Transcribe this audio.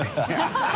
ハハハ